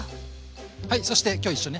はいそして今日一緒にね